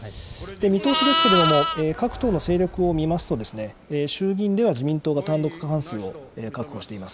見通しですけれども、各党の勢力を見ますと、衆議院では自民党が単独過半数を確保しています。